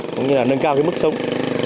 cũng như là nâng cao mức sống